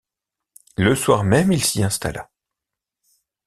Le soir même il s’y installa.